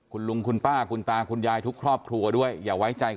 คุณลุงคุณป้าคุณตาคุณยายทุกครอบครัวด้วยอย่าไว้ใจ